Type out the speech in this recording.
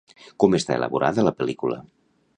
Com està elaborada la pel·lícula?